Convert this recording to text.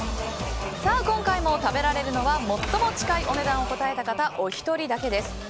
今回も食べられるのは最も近いお値段を答えた方お一人だけです。